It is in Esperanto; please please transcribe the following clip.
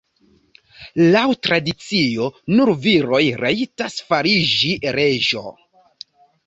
Laŭ tradicio nur viroj rajtas fariĝi reĝo.